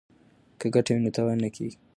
که ګټه وي نو تاوان نه کیږي.